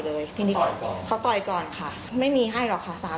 เลยเม็ดหน่อยก่อนค่ะไม่มีให้หรอก